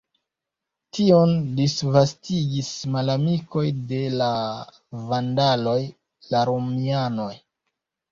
Tion disvastigis malamikoj de la vandaloj, la romianoj.